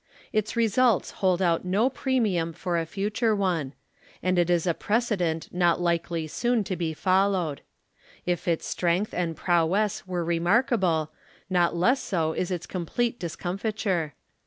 Its results hold out no premium for a future one ; and it is a precedent not likely soon to be followed. If its strength and prowess were remarkable, not less so is its complete discomfiture.